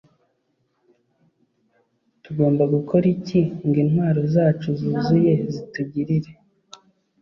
tugomba gukora iki ngo intwaro zacu zuzuye zitugirire